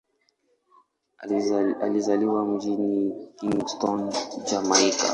Alizaliwa mjini Kingston, Jamaika.